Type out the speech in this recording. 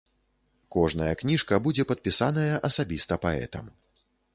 Кожная кніжка будзе падпісаная асабіста паэтам.